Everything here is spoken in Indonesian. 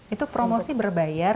itu promosi berbayar